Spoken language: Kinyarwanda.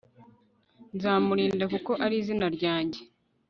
nzamurinda, kuko azi izina ryanjye